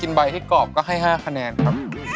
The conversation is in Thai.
มันจะไมดอมชิมดูด้วยครับ